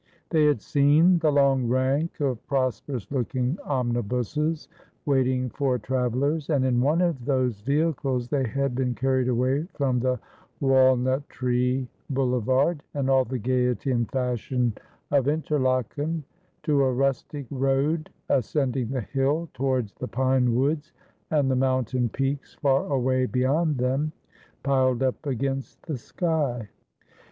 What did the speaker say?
They had seen the long rank of prosperous looking omnibuses waiting for tra vellers, and in one of those vehicles they had been carried away from the walnut tree boulevard, and all the gaiety and fashion of Interlaken, to a rustic road ascending the hill towards the pine woods, and the mountain peaks far away beyond them, piled up against the sky.